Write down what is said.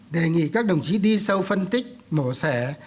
đề nghị các đồng chí đi sâu phân tích mổ xẻ